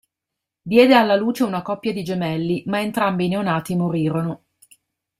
Diede alla luce una coppia di gemelli, ma entrambi i neonati morirono.